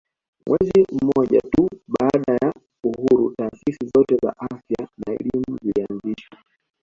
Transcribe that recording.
Mwezi mmoja tu baada ya uhuru taasisi zote za afya na elimu zilianzishwa